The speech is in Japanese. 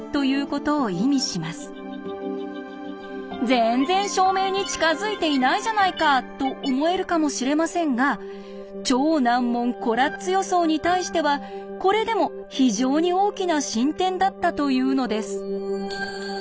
全然証明に近づいていないじゃないかと思えるかもしれませんが超難問コラッツ予想に対してはこれでも非常に大きな進展だったというのです。